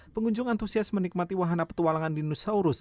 pengunjung antusias menikmati wahana petualangan dinosaurus